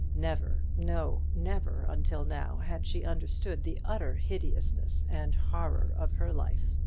Never, no, never until now had she understood the utter hideousness and horror of her life.